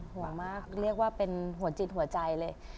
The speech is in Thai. ห่วงมากเรียกว่าเป็นหัวจิตหัวใจเลย